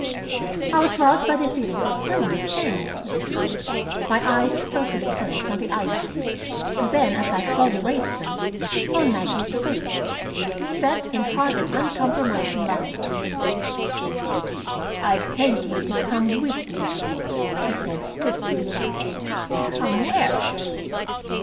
I was roused by the feeling that some one was staring at me. My eyes focused first on the icepick, then, as I slowly raised them, on Maggie's face, set in hard and uncompromising lines. "I'd thank you to come with me," she said stiffly. "Come where?"